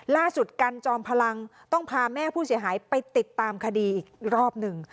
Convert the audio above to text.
กันจอมพลังต้องพาแม่ผู้เสียหายไปติดตามคดีอีกรอบหนึ่ง